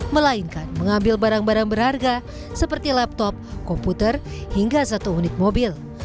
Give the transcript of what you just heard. melainkan mengambil barang barang berharga seperti laptop komputer hingga satu unit mobil